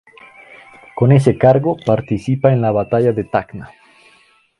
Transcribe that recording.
Con ese cargo participa en la batalla de Tacna.